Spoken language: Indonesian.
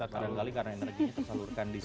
karena energinya tersalurkan disini